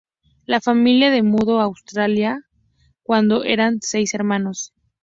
La familia de mudó a Australia cuándo eran seis hermanos.